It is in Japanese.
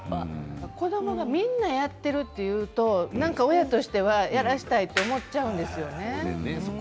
子どもがみんなやっているというと親としては、やらせたいと思っちゃうんですよね。